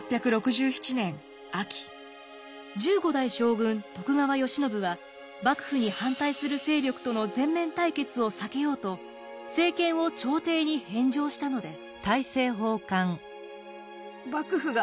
１５代将軍徳川慶喜は幕府に反対する勢力との全面対決を避けようと政権を朝廷に返上したのです。